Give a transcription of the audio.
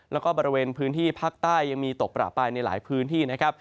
แล้วก็บริเวณพื้นที่ภาคใต้ยังมีตกประปรายในหลายพื้นที่นะครับ